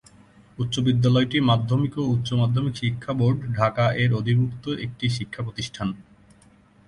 উচ্চ বিদ্যালয়টি মাধ্যমিক ও উচ্চ মাধ্যমিক শিক্ষা বোর্ড, ঢাকা-এর অধিভূক্ত একটি শিক্ষাপ্রতিষ্ঠান।